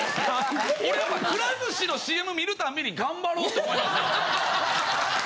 俺くら寿司のＣＭ見るたんびに頑張ろうと思いますもん。